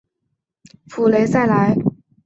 普雷赛莱。